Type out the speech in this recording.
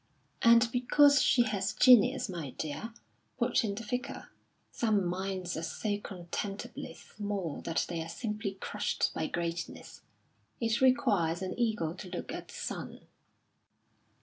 "And because she has genius, my dear," put in the Vicar. "Some minds are so contemptibly small that they are simply crushed by greatness. It requires an eagle to look at the sun."